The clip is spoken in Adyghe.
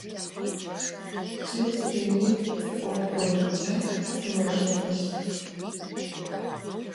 Cı seri zı 'of goreç'e sıolhe'uşt.